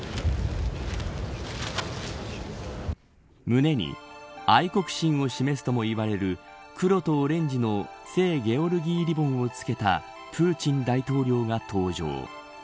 胸に愛国心を示すともいわれる黒とオレンジの聖ゲオルギーリボンをつけたプーチン大統領が登場。